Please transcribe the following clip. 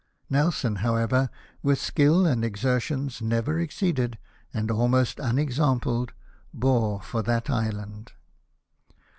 Nelson, however, with skill and exertions never exceeded, and almost unexampled, bore for that island.